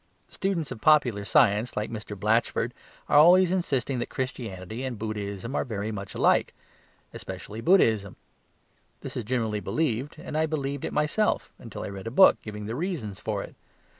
Students of popular science, like Mr. Blatchford, are always insisting that Christianity and Buddhism are very much alike, especially Buddhism. This is generally believed, and I believed it myself until I read a book giving the reasons for it.